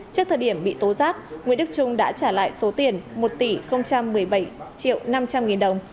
trước thời điểm bị tố giác nguyễn đức trung đã trả lại số tiền một tỷ một mươi bảy triệu năm trăm linh nghìn đồng